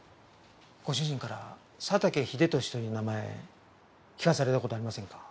ご主人から佐竹英利という名前聞かされた事ありませんか？